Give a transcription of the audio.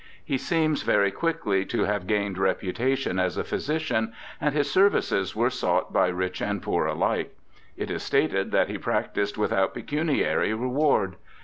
He seems very quickly to have gained reputation as a physician, and his services were sought by rich and poor alike. It is stated that he practised without pecuniary reward.